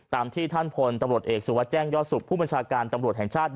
ที่ท่านพลตำรวจเอกสุวัสดิแจ้งยอดสุขผู้บัญชาการตำรวจแห่งชาติ